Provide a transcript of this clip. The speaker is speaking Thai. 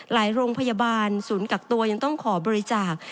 โรงพยาบาลศูนย์กักตัวยังต้องขอบริจาค